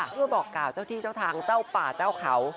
เพื่อบอกกล่าวเจ้าที่เจ้าทางเจ้าป่าเจ้าเขา